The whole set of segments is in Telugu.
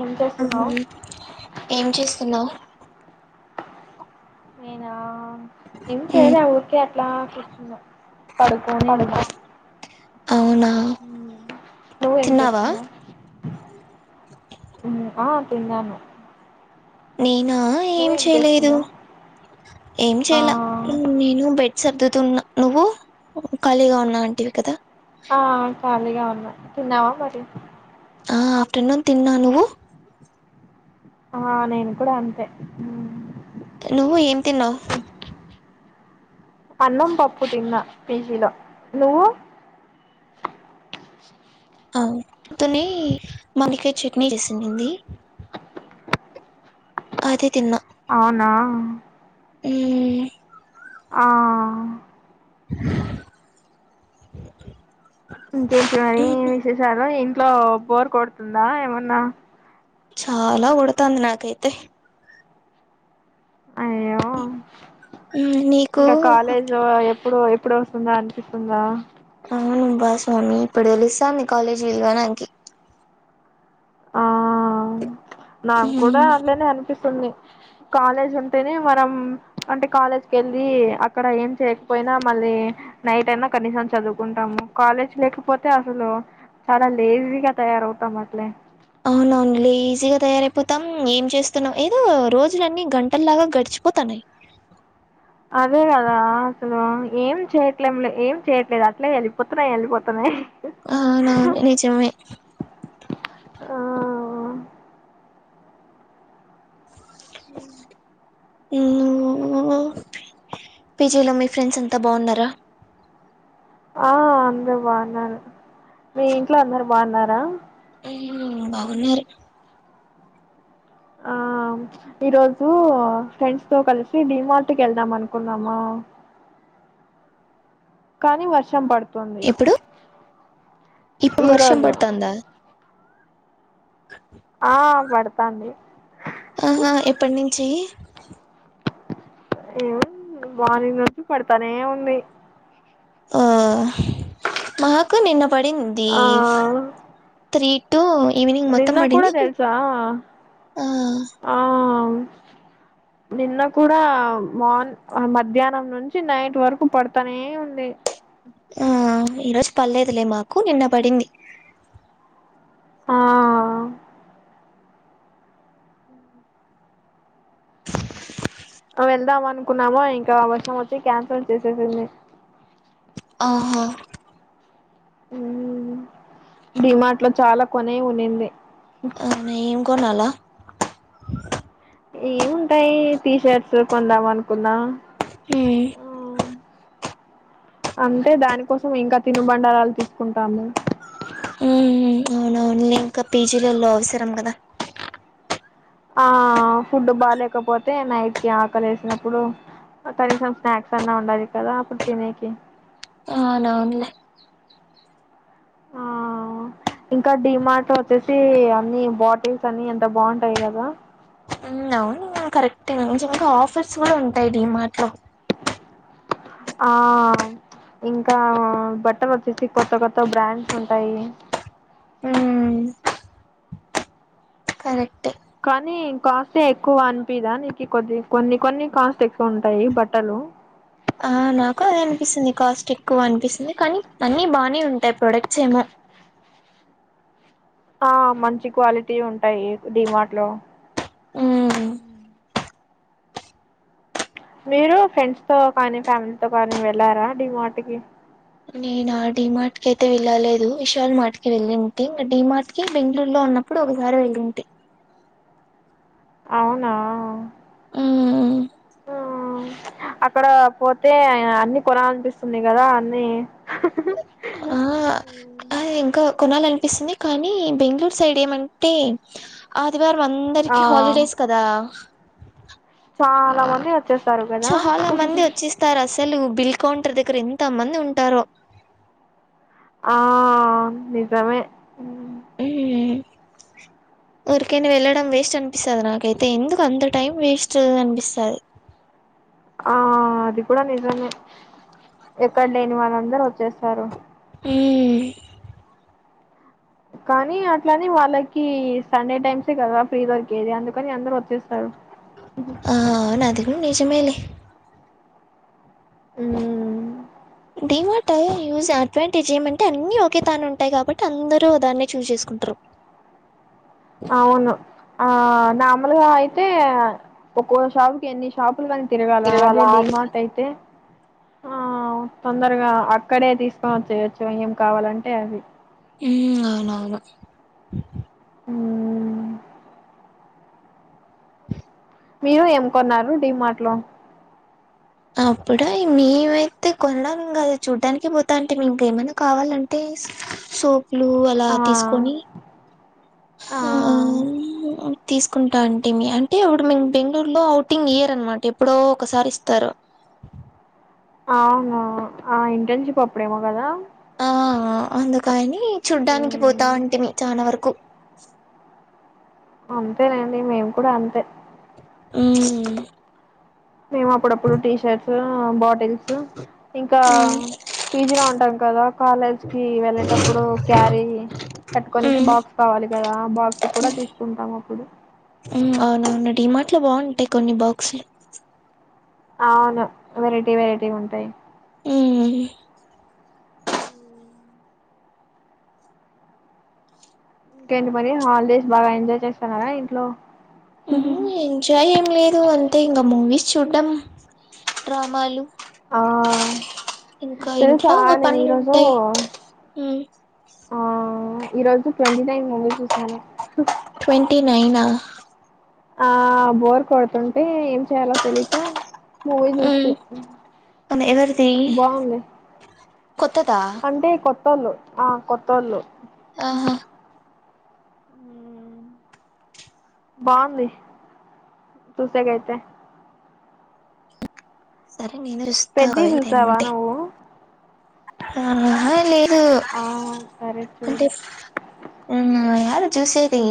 ఏం ఆ చేస్తున్నావు ఏం చేస్తున్నావు నేనా ఏం చేయాలి ఊరికే అట్లా కూర్చున్నా పడుకోని ఉన్నా అవునా ఉ నువ్వు తిన్నావా చేస్తున్నావు ఆ తిన్నాను నేనా ఏం నువ్వేం చేయలేదు చేస్తున్నావ్ ఏం ఆ చేయ నేను బెడ్దు సా తున్నా నువ్వు ఖాళీగా ఉన్నావంటంటివి కదా ఆ ఖాళీగా ఉన్నాయి తిన్నావా మరి ఆ తిన్న తిన్నాన్నా నువ్వు ఆ నేను కూడా అంతే నువ్వు ఏం తిన్నావు అన్నం పప్పు తిన్న పీజీలో నువ్వు ఆ అతనే మనకి చట్నీ చేసింది అదే తిన్నా అవునా ఉ ఆ ఇంకేంటి మరి విశేషాలు ఇంట్లో బోర్ కొడుతుందా ఏమన్నా చాలా కొడుతుంది నాకైతే అయ్యో నీకు ఇంకా కాలేజ్ ఇప్పుడు ఎప్పుడ వస్తుందా అనిపిస్తుందా అవునుంభాస్వామి ఇప్పుడు తెలుస్తాంది కాలేజీ వెలువడానికి ఆ నాకు కూడా నాకి అళ్ళనే అనిపిస్తుంది కాలేజ్ ఉంటేనే మనం అంటే కాలేజ్కి వెళ్ళి అక్కడ ఏం చేయకపోయినా మళ్ళీ అ నైట్ అయినా కనీసం చదువుకుంటాము కాలేజ్ లేకపోతే అసలు చాలా లేజీగా తయారవుతాం అట్లే నన్లీ లేజిగా తయారైపోతాం ఏం చేస్తున్నావు ఏదో రోజులన్ని గంటలలాగా గడిచిపోతాన్నాయి అదే కదా అసలు ఏం చేయట్లేం ఏం చేయట్లేదు అట్లే వెళ్ళిపోతున్నాయి వెళ్ళిపోతున్నాయి అవును అవును నిజమే ఆ ఉ నువ్వు పీజీలో మీ ఫ్రెండ్స్ ఎంతా బాగున్నారా ఆ అందరు బాగున్నారు మీ ఇంట్లో అందరు బాగున్నారా బాగున్నారు ఆ ఈ రోజు ఫ్రెండ్స్ తో కలిసి డి మార్ట్ కు వెళ్దాం అనుకున్నామా కానీ వర్షం పడుతు కుంది ఎప్పుడు? ఇప్పుడు ఈ వర్షం రోజు పడతాందా? ఆ పడతాండి ఆహా ఎప్పటి నుంచి ఏమ మార్నింగ్ నుండి పడతానే ఉంది ఆ మాకు నిన్న పడింది ఆ త్రీ నిన్న కూడాడా తెల్సా ఆ! ఆ నిన్న కూడా మార్ మధ్యాహ్నం నుంచి నైట్ వరకు పడతానే ఉంది ఆ ఈరోోజు పర్లేదులే మాకు నిన్న పడింది ఆ వెళ్దాం అనుకున్నాము ఇంకా వర్షం వచ్చి క్యాన్సల్ చేసేసింది ఆఓహా ీమాార్ట్ లో చాలా కొనే ఉనింది అనా ఏం కొనాలా ఏముంటాయి టీ షర్ట్స్ కొందాం అనుకుందాం ఏ అంటే దానికోసం ఇంకా తినుబండారాలు తీసుకుంటాము హ్మ్. అవునవునులే ఇంకా పీజీలలో అవసరం కదా ఆ ఫుడ్ బాలేకపోతే నైట్కిి ఆకలి వసినప్పుడు కనీసం స్నాక్స్ అన్నా ఉండాలి కదా అప్పుడు తినేనికి అనవునులే ఆ ఇంకా డిమార్ట్ వచ్చేసి అన్ని బాటిల్స్ అన్ని ఎంత బాగుంటాయి కదా అవును కరెక్ట్ కొంచం ఇంకా ఆఫర్స్ కూడా ఉంటాయి ఈ మాటలో ఆ ఇంకా బట్టలు వచ్చేసి కొత్త కొత్త బ్రాండ్స్ ఉంటాయి మ్మ్ కరెక్ట్ కానీ కాస్ట్ే ఎక్కువ అనిపిదా నీకు కొద్ది కొన్ని కొన్ని కాస్ట్ ఎక్కువ ఉంటాయి బట్టలు ఆ నాకు అది అనిపిస్తుంది కాస్టిక్ ఎక్కువ అనిపిస్తుంది కానీ అన్నిీ బానే ఉంటాయి ప్రోడక్ట్స్ ఏమో ఆ మంచి క్వాలిటీ ఉంటాయి ీమాట్ లో మ్మ్ మీరు ఫ్రెండ్స్ తో కానీ ఫ్యామిలీతోో కానీ వెళ్ళారా ీ మాటికి నేను డడి మార్ట్ కి అయితే వెళ్ళాలేదు విశల్ మార్ట్ కి వెళ్ళింటి డడి మార్ట్ కి బెంగళూరులో ఉన్నా న్నప్పుడు ఒకసారి వెళ్ళంటే అవునా ఆ అక్కడ పోతే అన్ని కొనాలనిపిస్తుంది కదా అన్నిీ ఆ ఆ ఇంకా కొనాలనిపిస్తుంది కానీ బెంగళూరు సైడ్ ఏమంటే ఆదివారం ఆ అందరికి హాలిడేస్ కదా చాలా మ చాలా మంది వచ్చిస్తారు అసలు బిల్ కౌంటర్ దగ్గర ఎంత మంది ఉంటారు ఆ నిజమే రికేని వెళ్ళడం వేస్ట్ అనిపిస్తుంది నాకైతే ఎందుకు అంత టైం వేస్ట్ అనిపిస్తుది ఆ అది కూడా నిజమే ఎక్కడ లేని వాళ్ళందరుూ వచ్చేస్తారు ఏ కానీ అట్లానే వాళ్ళకి సండే టైమ్సే కదా ఫ్రీ దొరికేది అందుకని అందరు వచ్చేస్తారు ఉ ఆ అవును అది నిజమేలే ఉమ్ దీవా టాయే యూజ్ అడ్వాంటేజ్ ఏమంటే అన్ని ఒకే తాను ఉంటాయి కాబట్టి అందరుూ దాన్నే చూజ్ చేసుకుంటారు అవును ఆ మామూలుగా అయితే ఒక్కో షాప్ కి ఎన్ని షాప్ లని తిరగల అదే డి తిరగలాడి మార్ట్ అయితే ఆ తొందరగా అక్కడే తీసుకొని వచ్చయచ్చు ఏం కావాలంటే అవి మ్మ్ అవున అవును ఉమ్ మీరు ఏం కొన్నారు డిమాట్లో అప్పుడు మేమైతే కొనం ఇంకా అది చూడ్డానికి పోతా అంటే ఇంక ఏమైనా కావాలంటే సోపులు అలా ఆ తీసుకొని ఆ తీసుకుంటా అంటే అంటే ఇప్పుడు మేము బెంగళూరులో అఔటింగ్ ఇయర్ అనమాట ఎప్పుడో ఒకసారి ఇస్తారు అవునా ఆ ఇంటర్న్షిప్ అప్పుడేమో కదా ఆ అందుకని చూడ్డానికి పోతా ఉమ్ ఉంటిేమి చాన వరకు అంతేనండి మేము కూడా అంతే మ్మ్ మేము అప్పుడప్పుడు టీ షర్ట్స్ బాటిల్స్ ఇంకా ఉమ్ పీజీలో ఉంటాం కదా కాలేజ్ కి వెళ్ళేటప్పుడు క్యారీ పెట్టుకోనికి ఉమ్ బాక్స్ కావాలి కదా ఆ బాక్స్ కూడా తీసుకుంటాం అప్పుడు అవునవును డి మాట్లో బాగుంటాయి కొన్ని బాక్సులు అవును వెరైటీ వెరైటీ ఉంటాయి మ్మ్ ఇంకేంటి మరి హాలిడేస్ బాగా ఎంజాయ్ చేస్తన్నారా ఇంట్లో ఎంజాయ్ ఏం లేదు అంటే ఇంకా మూవీస్ చూడ్ం డ్రామాలు ఆ ఇంకా ఇంట్లో తెలుసా ఇంగ నేన్ పనులు ఈరోజు ఉంటాయి ఉమ్ ఆ ఈరోోజు ట్వంటీ నైన్ మూవీ చూసాను టీ నైనా ఆ బోర్ కొడుతుంటే ఏం చేయాలో తెలియక మవ నూస్తే ఉమ్ బావుంది కొత్తద కొత్తలు ఆ కొత్తళు ఆహా మ్మ్ బాగుంది చూసాకైతే సరే నేను చూస్తా పెద్ద చూసావా నువ్వు అ లేదు ఆ సరే చూడు అంటే ఉహుమ్ అది చూసేది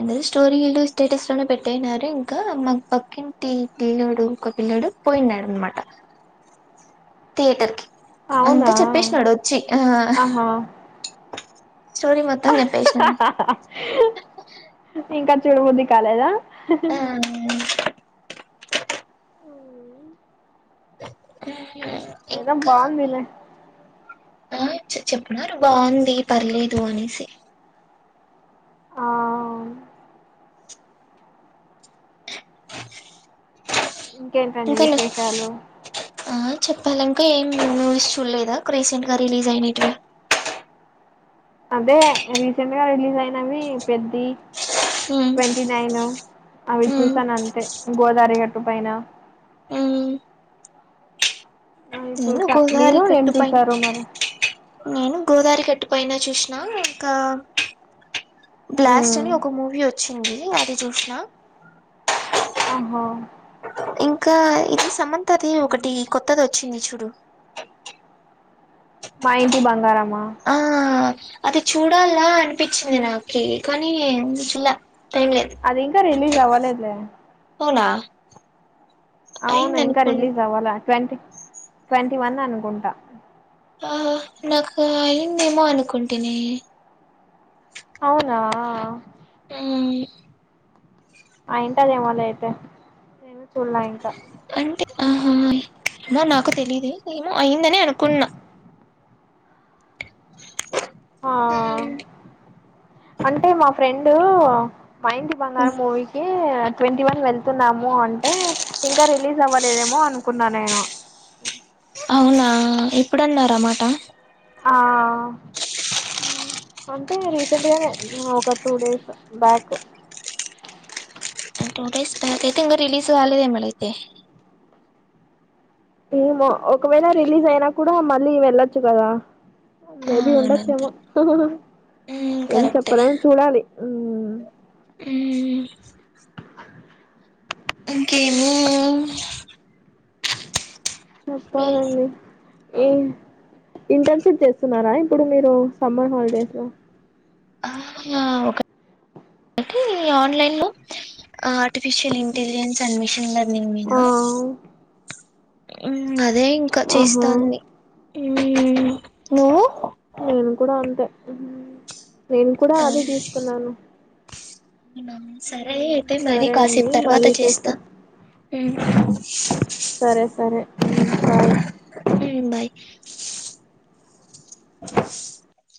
అందరు స్టోరీలు స్టేటస్ లోనే పెట్టేనారు ఇంకా మాకు పక్కింటి దినోడు ఒకపిల్లోడు పోయినాడాన్నమాట థియేటర్ కి అవునా అంతా చెప్పేసినాడు వచ్చి ఆ ఆహా స్టోరీ మొత్తం చెప్పేసినాడు ఇంకా చూడుబుద్దిి కాలేదా ఆ అ అయినా బావుందిలే ఆ చెప్న్నారు బాగుంది పర్లేదు అనేసి ఆ ఆ ఇంకేంటండి విశేషాలు ఆ చెప్పాలి ఇంకా ఏం మూవీస్ చూడలేదా రీసెంట్ గా రిలీజ్ అయినటివి అదే రీసెంట్ గా రిలీజ్ అయినవి పెది ట్వంటీ నైన్ అవి చూసాను అంతే గోదావరి గట్టు పైన అవి నేను చూసా గోదావరి మీరు ఏం కట్టు పై చూసారు మరి నేను గోదావరి గట్టు పోయినా చూసిన ఇంగా బ్లాస్ట్ మ్మ్ అని ఒక మూ వచ్చింది అది చూసిన ఆహ ఇంకా ఇది సమంతాది ఒకటి కొత్తది వచ్చింది చూడు మా ఇంటి బంగారమా ఆ అది చూడాలా అనిపించింది నాకి కానీ చుల అది ఇంకా రిలీజ్ అవ్వలేదులే అవునా అవును అయింది ఇంకా అనుకోండి రిలీజ్ అవ్వాలా ట్వంటీ ట్వంటీ వన్ అనుకుంటా ఆ నాకు అయ్యిందేమో అనుకుంటిని అవునా ఉమ్ అయ్యుంటాది ఏమోలే అయితే చూడలే ఇంకా అంటే ఆహా ఏమో నాకు తెలీదే అయ్యిందనే అనుకున్నా ఆహా అంటే మా ఫ్రెండు మా ఇంటి బంగారం ఉమ్, మూవీకి ట్వంటీ వన్ వెళ్తున్నాము అంటే ఇంకా రిలీజ్ అవ్వలేదేమో అనుకున్నా నేను ఎప్పుడన్నారు ఆ మాట ఆ అంటే రీసెంట్ గానే ఒక two days back two days back అయితే ఇంగా రిలీజ్ కాలేదేమో లే అయితే ఏమో ఒకవేళ రిలీజ్ అయినా కూడా మళ్ళీ వెళ్ళొచ్చు కదా ఆ మేబి అవునంతే ఉండొచ్చేమో ఉమ్ ఏం చెప్పలేం చూడాలి ఉ ఇంకేమో చెప్పాలండి ఏం ఇంటర్న్షిప్ చేస్తున్నారా ఇప్పుడు మీరు సమ్మర్ హాలిడేస్ లో ఆ ఒకటి ఆన్లైన్ లో ఆర్టిఫిషియల్ ఇంటెలిజెన్స్ అడ్మిషన్ ఆ మీనా అదే ఇంకా ఆహా చేస్తాంది నువ్వు నేను కూడా అంతే నేను కూడా అదే తీసుకున్నాను అవునా సరే అయితే మరి సరే కాసేపు అండి తర్వాత మళ్ళీ చేస్తా ఉమ్ సరే సరే బాయ్ బాయ్